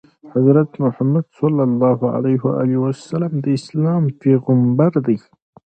حضرت محمد ﷺ د اسلام پیغمبر دی.